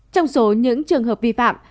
trong số những trường hợp vi phạm